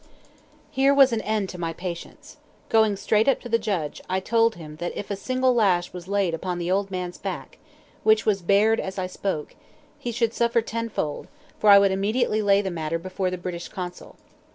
Here was an end to my patience. Going straight up to the judge, I told him that if a single lash was laid upon the old man's back (which was bared as I spoke), he should suffer tenfold, for I would immediately lay the matter before the British Consul.